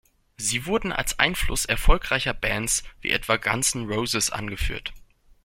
Sie wurden als Einfluss erfolgreicher Bands wie etwa Guns n’ Roses angeführt.